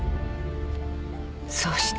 そうして。